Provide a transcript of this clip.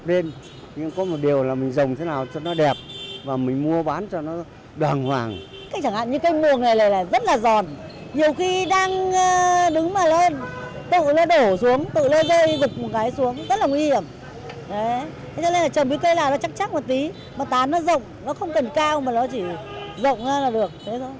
thế nên là trồng cái cây nào nó chắc chắc một tí mà tán nó rộng nó không cần cao mà nó chỉ rộng ra là được